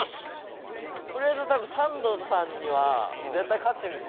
とりあえず多分サンドさんには絶対勝ってるんで。